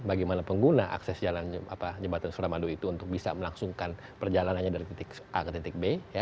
bagaimana pengguna akses jembatan suramadu itu untuk bisa melangsungkan perjalanannya dari titik a ke titik b